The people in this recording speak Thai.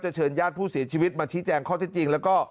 เชิญญาติผู้เสียชีวิตมาชี้แจงข้อที่จริงแล้วก็